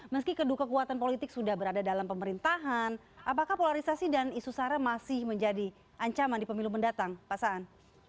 meski kedua kekuatan politik sudah berada dalam pemerintahan apakah polarisasi dan isu sara masih menjadi ancaman di pemilu mendatang pak saan